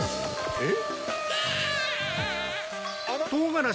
えっ？